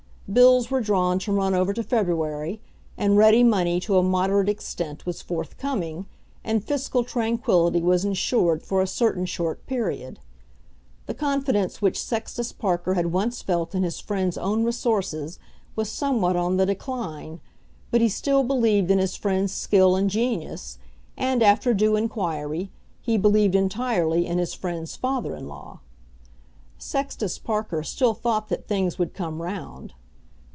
Bills were drawn to run over to February, and ready money to a moderate extent was forthcoming, and fiscal tranquillity was insured for a certain short period. The confidence which Sextus Parker had once felt in his friend's own resources was somewhat on the decline, but he still believed in his friend's skill and genius, and, after due inquiry, he believed entirely in his friend's father in law. Sextus Parker still thought that things would come round.